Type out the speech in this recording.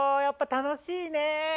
やっぱ楽しいね。